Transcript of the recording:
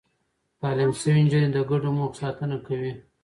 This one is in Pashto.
تعليم شوې نجونې د ګډو موخو ساتنه کوي.